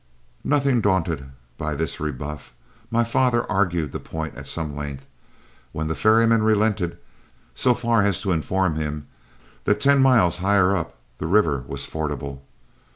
Nothing daunted by this rebuff, my father argued the point at some length, when the ferryman relented so far as to inform him that ten miles higher up, the river was fordable.